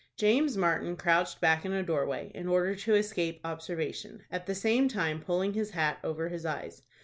James Martin crouched back in a door way, in order to escape observation, at the same time pulling his hat over his eyes.